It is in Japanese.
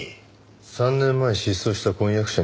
３年前失踪した婚約者について。